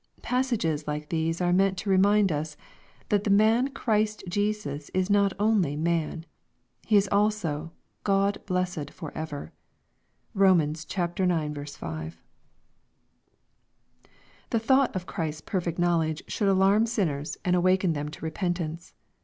Passages like these are meant to remind us, that " the man Christ Jesus" is not only man. He is also " God blessed for ever/' (Kom. ix. 5.) The thought of Christ's perfect knowledge should alarm sinners and awaken them to repentance.